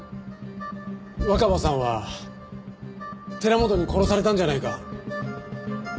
若葉さんは寺本に殺されたんじゃないか？